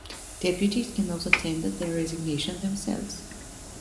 Deputies can also tender their resignation themselves.